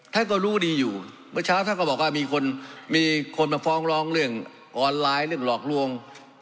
ท่านก็รู้ดีอยู่เมื่อเช้าท่านก็บอกว่ามีคนมีคนมาฟ้องร้องเรื่องออนไลน์เรื่องหลอกลวง